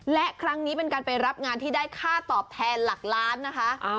และครั้งนี้เป็นการไปรับงานที่ได้ค่าตอบแทนหลักล้านนะคะ